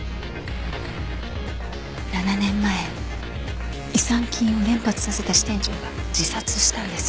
７年前違算金を連発させた支店長が自殺したんです。